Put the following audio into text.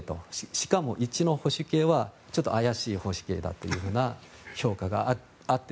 しかも１の保守系はちょっと怪しい保守系だという評価があって。